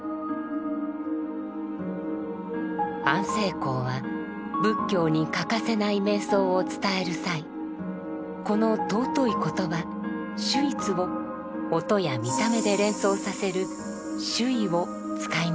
安世高は仏教に欠かせない瞑想を伝える際この尊い言葉「守一」を音や見た目で連想させる「守意」を使いました。